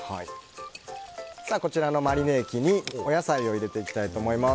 こちらのマリネ液にお野菜を入れていきたいと思います。